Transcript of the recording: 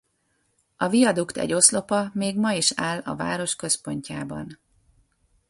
A viadukt egy oszlopa még ma is áll a város központjában.